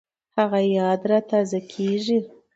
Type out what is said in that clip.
هغه یاد را تازه کېږي